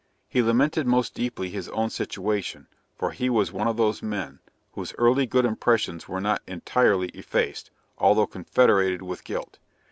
He lamented most deeply his own situation, for he was one of those men, whose early good impressions were not entirely effaced, although confederated with guilt.